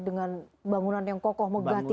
dengan bangunan yang kokoh megah tinggi